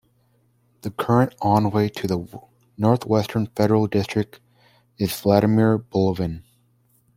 The current Envoy to the Northwestern Federal District is Vladimir Bulavin.